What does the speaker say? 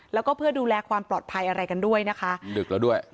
แล้วก็เพื่อดูแลความปลอดภัยอะไรกันด้วยนะคะมันดึกแล้วด้วย